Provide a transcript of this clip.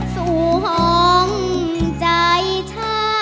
สู่ห่องใจฉัน